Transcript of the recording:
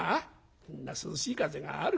「そんな涼しい風があるかい」。